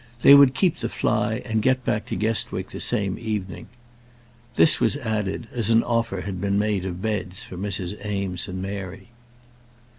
They would keep the fly and get back to Guestwick the same evening. This was added, as an offer had been made of beds for Mrs. Eames and Mary.